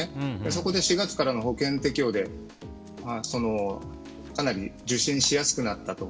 そこで４月からの保険適用でかなり受診しやすくなったと。